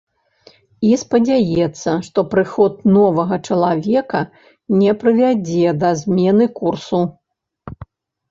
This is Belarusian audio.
І спадзяецца, што прыход новага чалавека не прывядзе да змены курсу.